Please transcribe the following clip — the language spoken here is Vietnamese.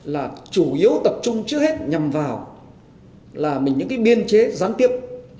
là chủ yếu tập trung trước hết nhằm vào là mình những cái biên chế gián tiếp